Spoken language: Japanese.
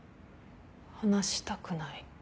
話したくない。